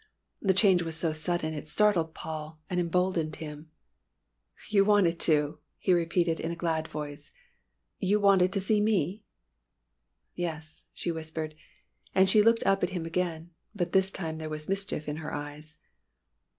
The change was so sudden, it startled Paul, and emboldened him. "You wanted to!" he repeated in a glad voice. "You wanted to see me?" "Yes," she whispered, and she looked up at him, but this time there was mischief in her eyes.